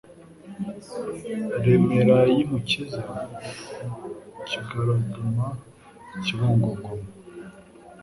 Remera y' i Mukiza Kigarama Kibungo Ngoma